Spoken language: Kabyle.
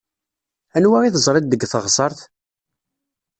Anwa i teẓṛiḍ deg teɣseṛt?